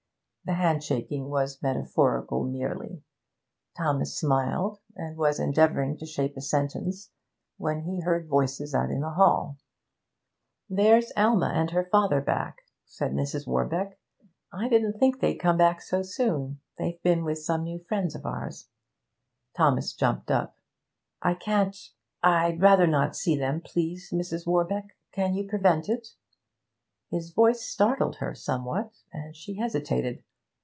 The handshaking was metaphorical merely. Thomas smiled, and was endeavouring to shape a sentence, when he heard voices out in the hall. 'There's Alma and her father back,' said Mrs. Warbeck. 'I didn't think they'd come back so soon; they've been with some new friends of ours.' Thomas jumped up. 'I can't I'd rather not see them, please, Mrs. Warbeck. Can you prevent it?' His voice startled her somewhat, and she hesitated.